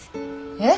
えっ！？